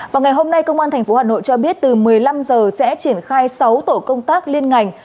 vào ngày hôm nay công an tp hà nội cho biết từ một mươi năm giờ sẽ triển khai sáu tổ công tác liên ngành